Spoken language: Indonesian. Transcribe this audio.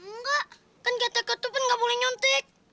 enggak kan gata gata pun enggak boleh nyontek